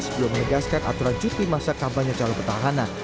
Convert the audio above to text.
sebelum menegaskan aturan cuti masa kampanye calon petahana